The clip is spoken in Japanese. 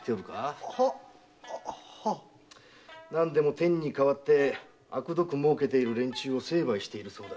天に代わってあくどく儲けている連中を成敗しているそうだ。